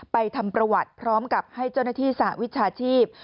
ทำประวัติพร้อมกับให้เจ้าหน้าที่สหวิชาชีพ